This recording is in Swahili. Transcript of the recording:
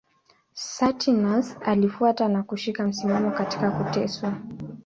Saturninus alifuata na kushika msimamo katika kuteswa.